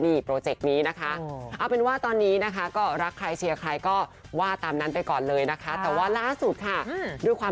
นี่โปรเจกต์นี้นะคะ